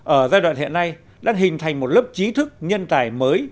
ở giai đoạn hiện nay đã hình thành một lớp trí thức nhân tài mới